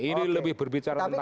ini lebih berbicara tentang